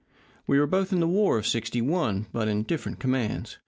We were both in the war of 'sixty one, but in different commands.